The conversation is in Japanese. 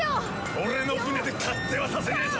俺の船で勝手はさせねえぞ！